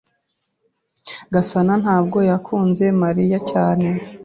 Gasana ntabwo yakunze Mariya cyane.